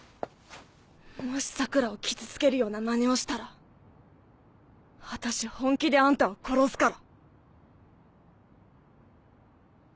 もし桜良を傷つけるようなまねをしたら私本気であんたを殺すから。